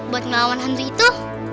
buat ngelawan hantu itu